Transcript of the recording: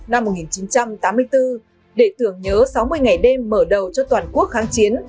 năm một nghìn chín trăm tám mươi bốn để tưởng nhớ sáu mươi ngày đêm mở đầu cho toàn quốc kháng chiến